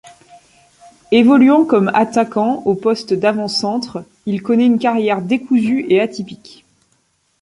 Évoluant comme attaquant au poste d'avant-centre, il connaît une carrière décousue et atypique.